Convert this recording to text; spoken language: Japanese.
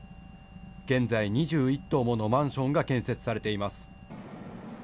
現在２１棟ものマンションが建設されています。